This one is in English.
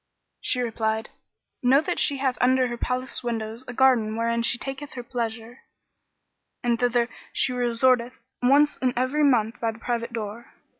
She replied, "Know then that she hath under her palace windows a garden wherein she taketh her pleasure; and thither she resorteth once in every month by the private door.